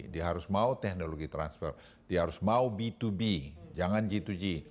dia harus mau teknologi transfer dia harus mau b dua b jangan g dua g